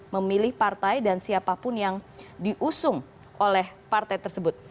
memilih partai dan siapapun yang diusung oleh partai tersebut